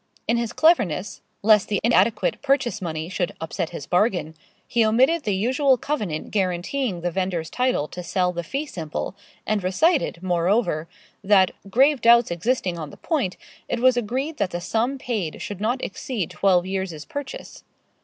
In his cleverness lest the inadequate purchase money should upset his bargain he omitted the usual covenant guaranteeing the vendor's title to sell the fee simple, and recited, moreover, that, grave doubts existing on the point, it was agreed that the sum paid should not exceed twelve years' purchase.